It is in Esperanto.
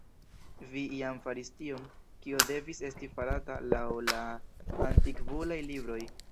Vi jam faris tion, kio devis esti farata laŭ la Antikvulaj Libroj.